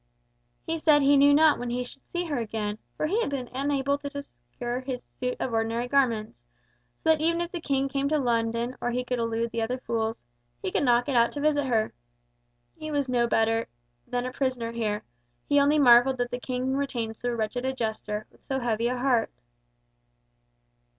He said he knew not when he should see her again, for he had been unable to secure his suit of ordinary garments, so that even if the King came to London, or if he could elude the other fools, he could not get out to visit her. He was no better than a prisoner here, he only marvelled that the King retained so wretched a jester, with so heavy a heart.